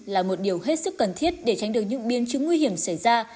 là một điều hết sức cần thiết để tránh được những biên chứng nguy hiểm xảy ra